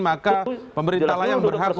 maka pemerintah yang berharga